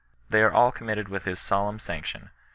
< They are all committed with his solemn sanction.